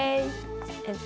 えっと